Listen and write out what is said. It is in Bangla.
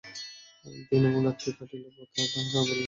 দিন এবং রাত্রি কাটিল পথে, কথা তাহারা বলিল খুব কম।